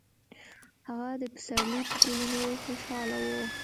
هغه د پسرلي په ګلونو خوشحاله و.